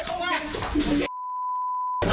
ลุ้มเวลา